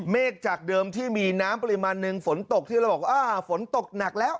จากเดิมที่มีน้ำปริมาณหนึ่งฝนตกที่เราบอกว่าฝนตกหนักแล้ว